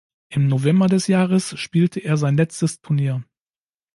Im November des Jahres spielte er sein letztes Turnier.